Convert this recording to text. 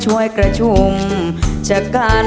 เธอไม่เคยโรศึกอะไร